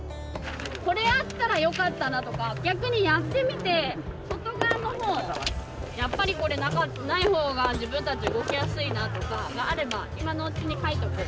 これあったらよかったなとか逆にやってみて外側のほうやっぱりこれ無いほうが自分たち動きやすいなとかがあれば今のうちに書いとく。